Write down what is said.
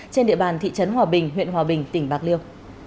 trên địa bàn thị trấn hòa bình huyện hòa bình tỉnh bạc liêu